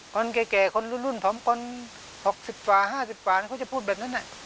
คนแก่คนรุ่นผมคน๖๐กว่า๕๐กว่าเขาจะพูดแบบนั้น